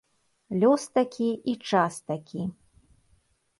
Лёс такі і час такі.